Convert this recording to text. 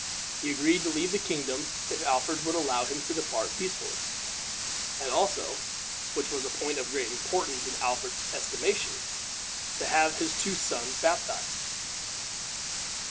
He agreed to leave the kingdom if Alfred would allow him to depart peaceably, and also, which was a point of great importance in Alfred's estimation, to have his two sons baptized.